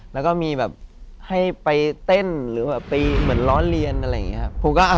แล้วก็มีแบบให้ไปเต้นหรือแบบไปเหมือนล้อเลียนอะไรอย่างนี้ครับ